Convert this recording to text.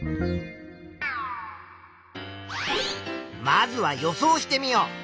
まずは予想してみよう。